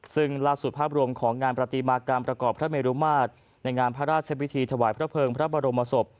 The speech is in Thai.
ซึ่งล่าสุดภาพรวมของงานประติมากรรมประกอบพระเมรุมาตรในงานพระราชพิธีถวายพระเภิงพระบรมศพ